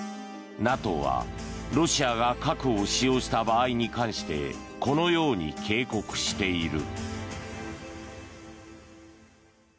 ＮＡＴＯはロシアが核を使用した場合に関してこのように警告している。